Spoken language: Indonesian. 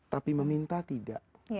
tapi meminta tidak